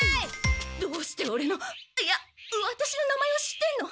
どうしてオレのいやワタシの名前を知ってんの？